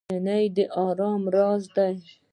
نجلۍ د ارامۍ یو راز دی.